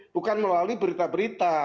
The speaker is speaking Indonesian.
bukan melalui berita berita